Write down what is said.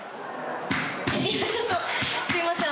いやちょっとすいません。